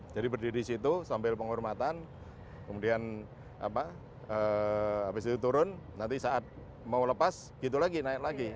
jadi berdiri di situ sambil penghormatan kemudian apa abis itu turun nanti saat mau lepas gitu lagi naik lagi